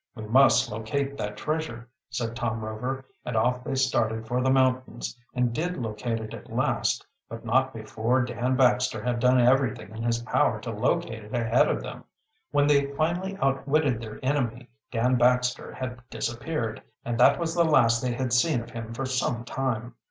"We must locate that treasure," said Tom Rover, and off they started for the mountains, and did locate it at last, but not before Dan Baxter had done everything in his power to locate it ahead of them. When they finally outwitted their enemy, Dan Baxter had disappeared, and that was the last they had seen of him for some time.